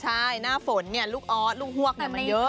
ใช่หน้าฝนเนี่ยลูกออสลูกฮวกเนี่ยมันเยอะ